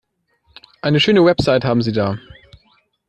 Eine schöne Website haben Sie da.